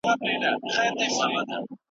تاسي ولي د الله له پېرزوېنو مننه نه کوئ؟